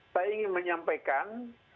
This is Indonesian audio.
saya ingin menyampaikan